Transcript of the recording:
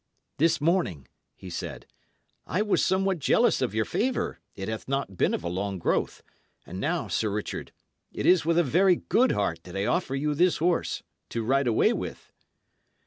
"This morning," he said, "I was somewhat jealous of your favour; it hath not been of a long growth; and now, Sir Richard, it is with a very good heart that I offer you this horse to ride away with."